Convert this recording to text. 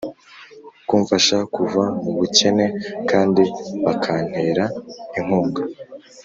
Kumfasha Kuva mu bukene kandi bakantera inkunga